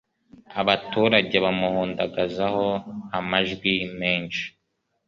abaturage bamuhundagazaho amajwi, menshi